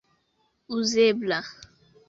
uzebla